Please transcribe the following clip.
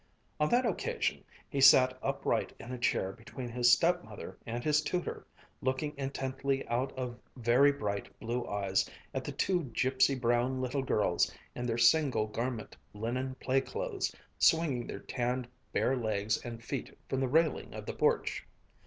On that occasion he sat upright in a chair between his stepmother and his tutor, looking intently out of very bright blue eyes at the two gipsy brown little girls in their single garment linen play clothes, swinging their tanned bare legs and feet from the railing of the porch.